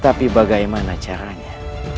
tapi bagaimana caranya